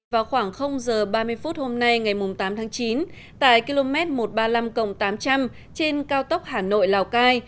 vào khoảng h ba mươi phút hôm nay ngày tám tháng chín tại km một trăm ba mươi năm tám trăm linh trên cao tốc hà nội lào cai